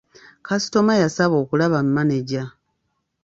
Kasitoma yasaba okulaba manejja.